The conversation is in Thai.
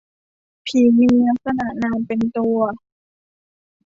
ผีมีลักษณะนามเป็นตัว